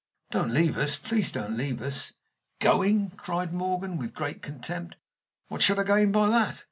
"Don't leave us please don't leave us!" "Going!" cried Morgan, with great contempt. "What should I gain by that?